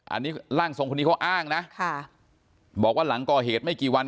อันนี้ร่างทรงคนนี้เขาอ้างนะค่ะบอกว่าหลังก่อเหตุไม่กี่วัน